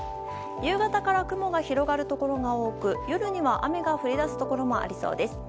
夕方から雲が広がるところが多く夜には雨が降り出すところもありそうです。